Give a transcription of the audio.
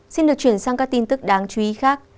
xin được chuyển sang các tin tức đáng chú ý khác